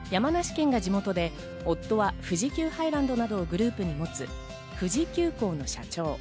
山梨県が地元で夫は富士急ハイランドなどをグループに持つ、富士急行の社長。